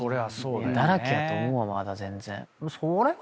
だらけやと思うまだ全然。